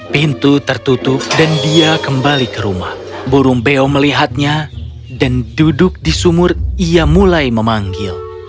pintu tertutup dan dia kembali ke rumah burung beo melihatnya dan duduk di sumur ia mulai memanggil